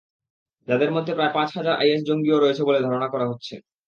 যাদের মধ্যে প্রায় পাঁচ হাজার আইএস জঙ্গিও রয়েছে বলে ধারণা করা হচ্ছে।